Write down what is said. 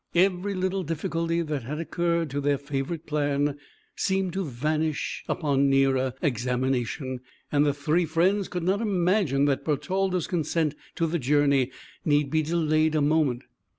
Every little difficulty that had occurred to their favourite plan, seemed to vanish upon nearer examination, and the three friends could not imagine that Bertalda's consent to the journey need be delayed a moment.